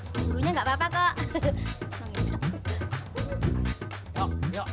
burungnya ga apa apa kok